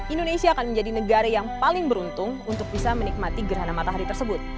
indonesia akan menjadi negara yang paling beruntung untuk bisa menikmati gerhana matahari tersebut